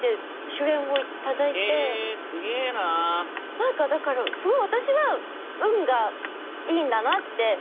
何かだからすごい私は運がいいんだなって。